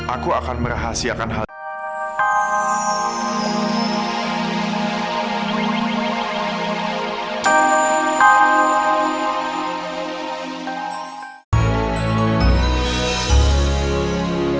aku akan merahasiakan hal ini